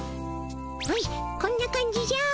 ほいこんな感じじゃ。